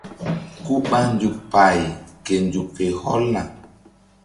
Ku ɓa nzuk pay ke nzuk fe hɔlna.